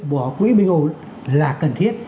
bỏ quỹ bình ổn là cần thiết